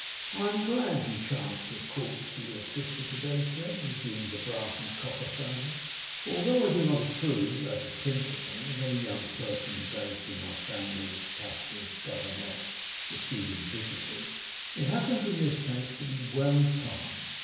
'I am glad you chance to have called to see your sister to day, sir,' resumed the brass and copper founder. 'For although I do not approve, as a principle, of any young person engaged in my family in the capacity of a governess, receiving visitors, it happens in this case to be well timed.